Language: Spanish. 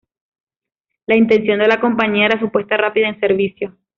La intención de la compañía era su puesta rápida en servicio.